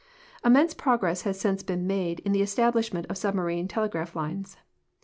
Immense progress has since been made in the establishment of submarine telegraph lines.